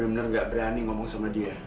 bener bener gak berani ngomong sama dia